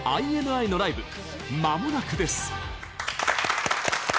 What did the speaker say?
ＩＮＩのライブ、まもなくです。